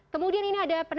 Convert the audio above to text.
kemudian ini ada penambahan